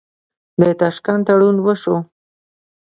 د تاشکند تړون وشو.